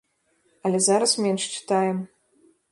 Але зараз менш чытаем.